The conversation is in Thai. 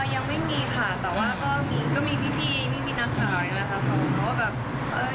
ยังไม่มีค่ะแต่ว่าก็มีพี่ไม่มีนักถ่ายนะคะ